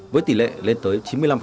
với tỷ lệ lên tới chín mươi năm